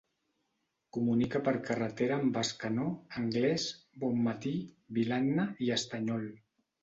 Comunica per carretera amb Bescanó, Anglès, Bonmatí, Vilanna i Estanyol.